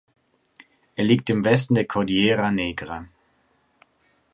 Er liegt im Westen der Cordillera Negra.